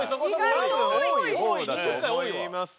多分多い方だと思います。